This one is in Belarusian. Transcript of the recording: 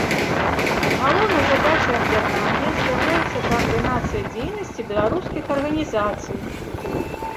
Галоўнай задачай аб'яднання з'яўляецца каардынацыя дзейнасці беларускіх арганізацый.